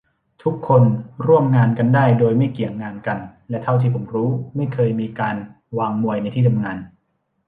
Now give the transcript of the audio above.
ทุกคนร่วมงานกันได้โดยไม่เกี่ยงงานกัน และเท่าที่ผมรู้ไม่เคยมีการวางมวยในที่ทำงาน